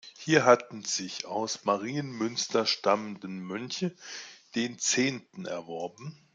Hier hatten sich aus Marienmünster stammende Mönche den Zehnten erworben.